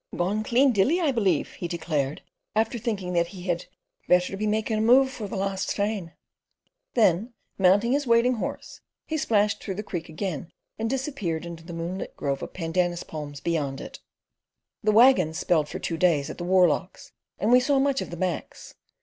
"Gone clean dilly, I believe," he declared, after thinking that he had "better be making a move for the last train." Then, mounting his waiting horse, he splashed through the creek again, and disappeared into the moonlit grove of pandanus palms beyond it. The waggons spelled for two days at the Warlochs, and we saw much of the "Macs."